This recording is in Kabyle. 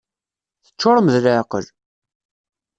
Teččurem d leεqel!